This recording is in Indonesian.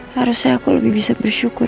harusnya aku lebih bisa bersyukur